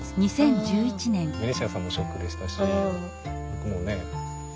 ベニシアさんもショックでしたし僕もね。